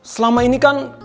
selama ini kan